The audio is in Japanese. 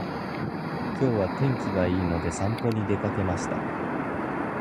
今日は天気がいいので散歩に出かけました。